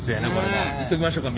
いっときましょうか皆でね。